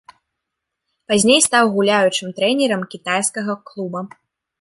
Пазней стаў гуляючым трэнерам кітайскага клуба.